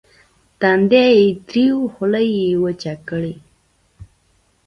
د تندي خوله يې وچه کړه.